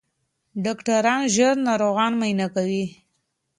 ډاکټران ژر ناروغان معاینه کوي.